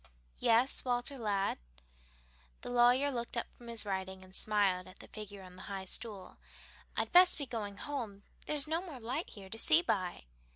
"Yes, Walter, lad?" The lawyer looked up from his writing, and smiled at the figure on the high stool. "I'd best be going home; there's no more light here to see by."